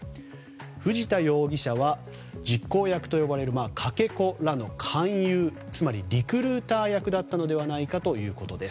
藤田容疑者は、実行役と呼ばれるかけ子らの勧誘、つまりリクルーター役だったのではないかということです。